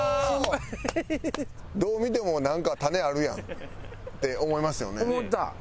どう見てもなんかタネあるやんって思いましたよね？